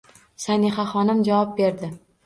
Sanixaxonim javob berdi: